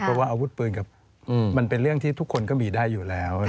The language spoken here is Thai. เพราะว่าอาวุธปืนกับมันเป็นเรื่องที่ทุกคนก็มีได้อยู่แล้ว